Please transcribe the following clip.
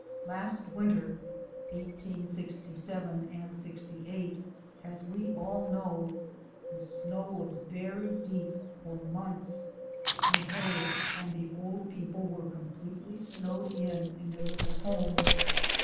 Last winter ('6*7 and '68), as we all know, the snow was very deep for months, and Harriet and the old people were com pletely snowed in in their little home.